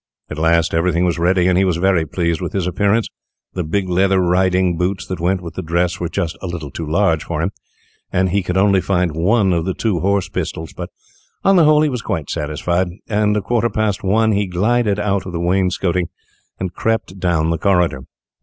At last everything was ready, and he was very pleased with his appearance. The big leather riding boots that went with the dress were just a little too large for him, and he could only find one of the two horse pistols, but, on the whole, he was quite satisfied, and at a quarter past one he glided out of the wainscoting and crept down the corridor.